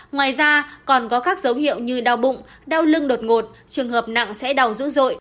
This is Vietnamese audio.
ngoài ra còn có các dấu hiệu như đau bụng đau lưng đột ngột trường hợp nặng sẽ đau dữ dội